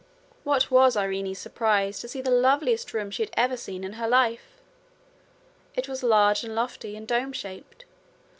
What was Irene's surprise to see the loveliest room she had ever seen in her life! It was large and lofty, and dome shaped.